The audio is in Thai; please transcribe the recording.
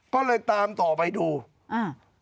ก็เลยตามต่อไปดูอ่า